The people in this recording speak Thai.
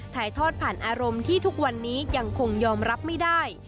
ถ่ายทอดผ่านอารมณ์ที่ทุกวันนี้ยังคงยอมรับไม่ได้